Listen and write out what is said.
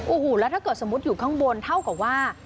โอ้โหแล้วถ้าเกิดสมมุติอยู่ข้างบนเท่ากับว่า